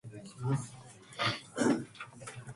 メロスには父も、母も無い。